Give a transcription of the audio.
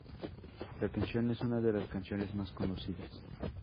La canción es una de sus canciones más conocidas.